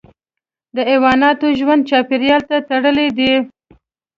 د حیواناتو ژوند چاپیریال ته تړلی دی.